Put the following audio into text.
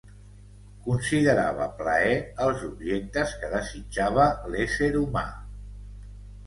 Considerava plaer els objectes que desitjava l'ésser humà.